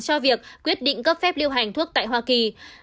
cho việc quyết định cấp phép lưu hành thuốc tại hoa kỳ